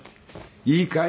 「いいかい？